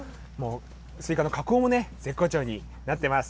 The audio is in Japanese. スイカの加工もね、絶好調になってます。